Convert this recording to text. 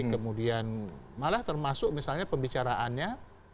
kemudian malah termasuk misalnya pembicaraannya